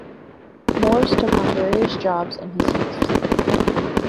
Mores took on various jobs in his youth.